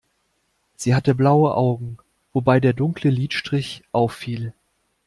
Sie hatte blaue Augen, wobei der dunkle Lidstrich auffiel.